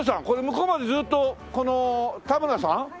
これ向こうまでずっとこの田村さん？